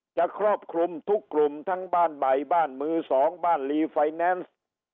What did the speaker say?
ครอบคลุมทุกกลุ่มทั้งบ้านใหม่บ้านมือสองบ้านลีไฟแนนซ์